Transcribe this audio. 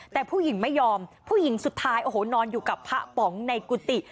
แต่ผู้หญิงไม่ยอมผู้หญิงสุดท้ายโอ้โหนอนอยู่กับพระป๋องในกุฏิ